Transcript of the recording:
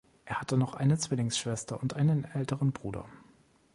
Er hatte noch eine Zwillingsschwester und einen älteren Bruder.